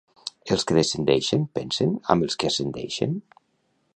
Els que descendeixen pensen amb els que ascendeixen?